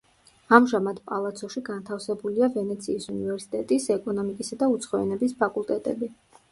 ამჟამად პალაცოში განთავსებულია ვენეციის უნივერსიტეტის ეკონომიკისა და უცხო ენების ფაკულტეტები.